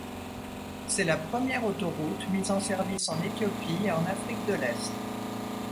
C'est la première autoroute mise en service en Éthiopie et en Afrique de l'Est.